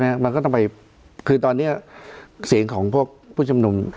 มันก็ต้องไปคือตอนเนี้ยเสียงของพวกผู้ชมนุม